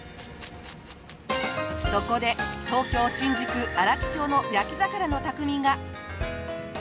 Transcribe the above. そこで東京新宿荒木町の焼き魚の匠が。